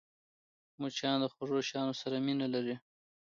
مچان د خوږو شيانو سره مینه لري